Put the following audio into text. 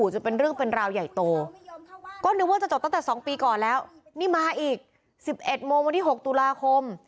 ๑๑โมงวันที่๖ตุลาคม